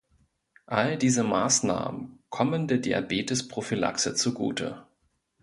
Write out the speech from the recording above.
All diese Maßnahmen kommen der Diabetes-Prophylaxe zugute.